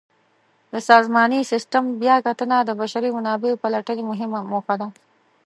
د سازماني سیسټم بیاکتنه د بشري منابعو پلټنې مهمه موخه ده.